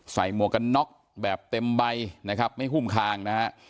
ใส่มวกน็อคแบบเต็มใบนะครับไม่หุ้มขางนะครับ